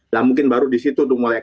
nah mungkin baru disitu tuh mulai